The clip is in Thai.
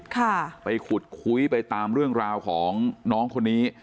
ค่ะไปขุดคุยไปตามเรื่องราวของน้องคนนี้